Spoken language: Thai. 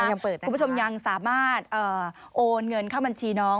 ยังเปิดคุณผู้ชมยังสามารถโอนเงินเข้าบัญชีน้อง